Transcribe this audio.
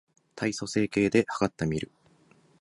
体組成計で計ってみる